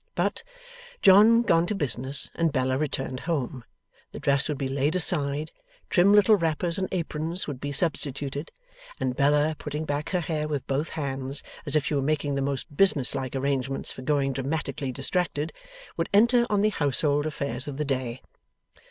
But, John gone to business and Bella returned home, the dress would be laid aside, trim little wrappers and aprons would be substituted, and Bella, putting back her hair with both hands, as if she were making the most business like arrangements for going dramatically distracted, would enter on the household affairs of the day.